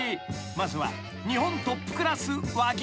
まずは］